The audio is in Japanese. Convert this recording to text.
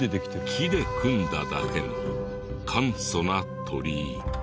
木で組んだだけの簡素な鳥居。